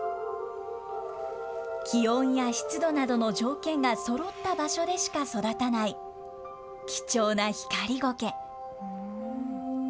気温や湿度などの条件がそろった場所でしか育たない、貴重なヒカリゴケ。